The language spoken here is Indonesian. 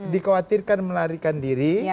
dikhawatirkan melarikan diri